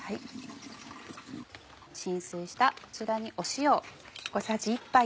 浸水したこちらに塩。